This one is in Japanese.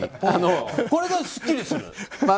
これはすっきりする。